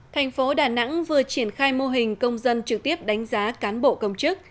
thành phố đà nẵng vừa triển khai mô hình công dân trực tiếp đánh giá cán bộ công chức